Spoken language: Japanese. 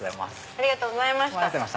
ありがとうございます。